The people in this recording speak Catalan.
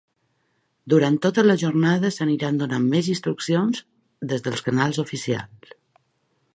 Durant tota la jornada s’aniran donant més instruccions des dels canals oficials.